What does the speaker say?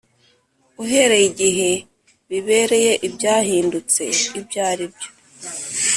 uhereye igihe bibereye ibyahindutse ibyo ari byo